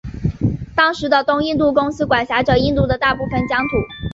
当时的东印度公司管辖着印度的大部分疆土。